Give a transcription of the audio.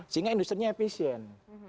sehingga industri nya efisien